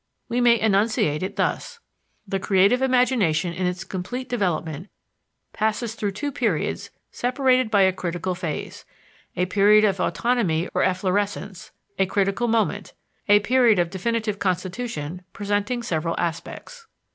We may enunciate it thus: The creative imagination in its complete development passes through two periods separated by a critical phase: a period of autonomy or efflorescence, a critical moment, a period of definitive constitution presenting several aspects.